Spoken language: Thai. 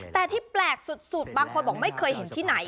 แต่ที่แปลกสุดบางคนบอกไม่เคยเห็นที่ไหน